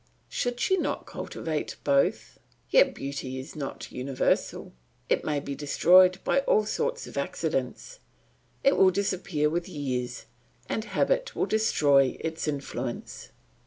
Should she not cultivate both? Yet beauty is not universal; it may be destroyed by all sorts of accidents, it will disappear with years, and habit will destroy its influence.